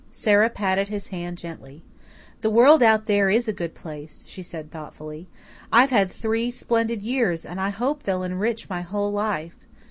Sara patted his hand gently. "The world out there is a good place," she said thoughtfully, "I've had three splendid years and I hope they'll enrich my whole life.